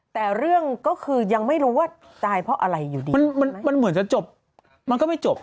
แต่เรื่องก็คือยังไม่รู้ว่าตายเพราะอะไรอยู่ดีมันมันเหมือนจะจบมันก็ไม่จบ